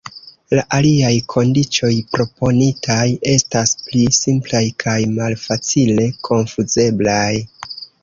La aliaj kondiĉoj proponitaj estas pli simplaj kaj malfacile konfuzeblaj.